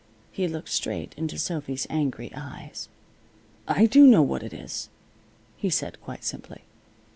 He looked straight into Sophy's angry eyes. "I do know what it is," he said, quite simply.